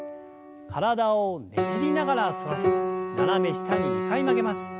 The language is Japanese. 体をねじりながら反らせ斜め下に２回曲げます。